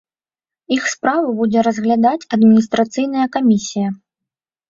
Іх справу будзе разглядаць адміністрацыйная камісія.